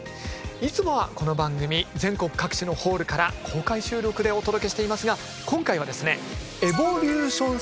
いつもはこの番組全国各地のホールから公開収録でお届けしていますが今回はですね「エボリューションスペシャル」と題しまして